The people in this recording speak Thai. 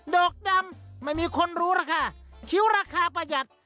ดอกดำไม่มีคนรู้ราคาคิ้วราคาประหยัด